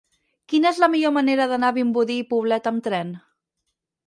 Quina és la millor manera d'anar a Vimbodí i Poblet amb tren?